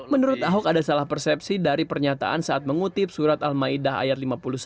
menurut ahok ada salah persepsi dari pernyataan saat mengutip surat al ⁇ maidah ⁇ ayat lima puluh satu